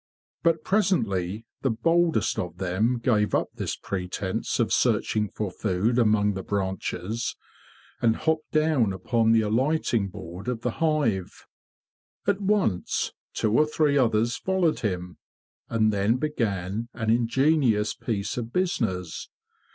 But presently the boldest of them gave up this pretence of searching for food among the branches, and hopped down upon the alighting board of the hive. At once two or three others followed him; and then began an ingenious piece of business.